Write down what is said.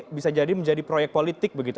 bahwa ini bisa jadi menjadi proyek politik begitu